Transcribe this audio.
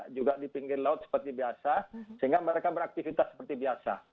juga di pinggir laut seperti biasa sehingga mereka beraktivitas seperti biasa